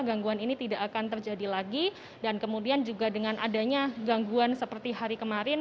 gangguan ini tidak akan terjadi lagi dan kemudian juga dengan adanya gangguan seperti hari kemarin